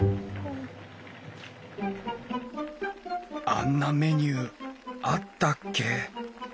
あんなメニューあったっけ？